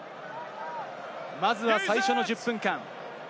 まずは最初の１０分間。